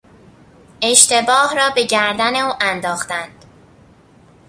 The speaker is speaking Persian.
اشتباه را به گردن او انداختند.